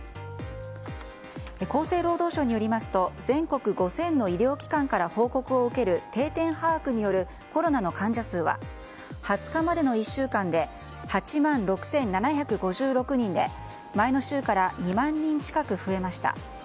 厚生労働省によりますと全国５０００の医療機関から報告を受ける定点把握によるコロナの患者数は２０日までの１週間で８万６７５６人で前の週から２万人近く増えました。